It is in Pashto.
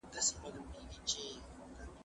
زه ليکنې کړي دي،